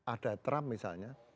ada trump misalnya